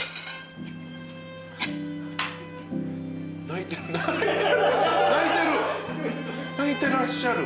泣いてる！